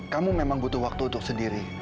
kamu memang butuh waktu untuk sendiri